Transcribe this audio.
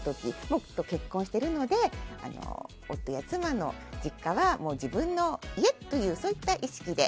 もう結婚しているので夫や妻の実家は自分の家という意識で。